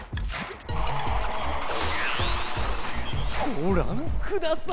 ごらんください！